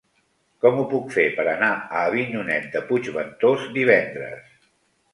Com ho puc fer per anar a Avinyonet de Puigventós divendres?